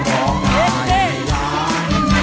ร้องได้ให้ล้าน